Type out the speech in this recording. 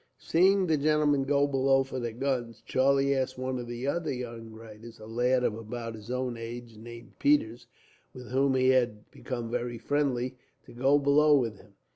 Seeing the gentlemen go below for their guns, Charlie asked one of the other young writers, a lad of about his own age, named Peters, with whom he had become very friendly, to go below with him.